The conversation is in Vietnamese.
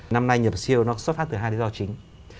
năm nay nhập siêu nó xuất phát từ hai lý do chính